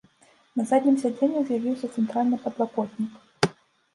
На заднім сядзенні з'явіўся цэнтральны падлакотнік.